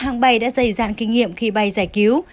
ngày đã dày dạn kinh nghiệm khi bay giải cứu